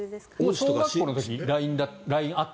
小学校の時ＬＩＮＥあった？